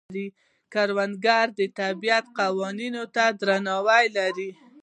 کروندګر د طبیعت قوانینو ته درناوی لري